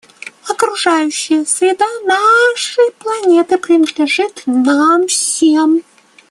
Окружающая среда нашей планеты принадлежит нам всем.